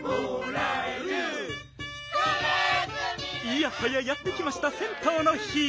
いやはややってきました銭湯の日！